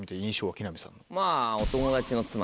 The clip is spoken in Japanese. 木南さんの。